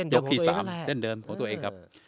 ยกที่๓เส้นเดิมของตัวเองครับ